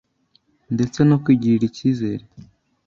ndetse no kwigirira ikizere.